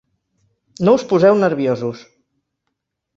No us poseu nerviosos!